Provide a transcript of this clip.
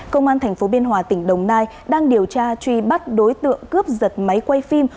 công an tp biên hòa tỉnh đồng nai đang điều tra truy bắt đối tượng cướp giật máy quay phim